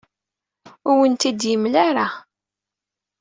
Ur awen-tent-id-yemla ara.